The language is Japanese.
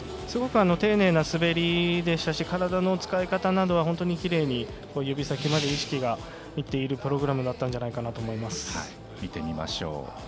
すごく丁寧な滑りでしたし体の使い方などは本当にきれいに、指先まで意識がいっているプログラムだったと思います。